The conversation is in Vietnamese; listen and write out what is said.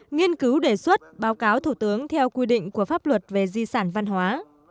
nghiên cứu đề xuất báo cáo thủ tướng theo quy định của pháp luật về di sản văn hóa